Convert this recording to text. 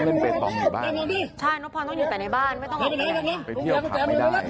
ใช่น้องพรต้องอยู่แต่ในบ้านไม่ต้องเอาไปเที่ยวผัพไม่ได้